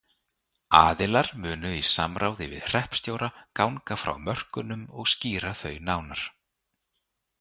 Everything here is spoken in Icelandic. Aðilar munu í samráði við Hreppstjóra ganga frá mörkunum og skýra þau nánar.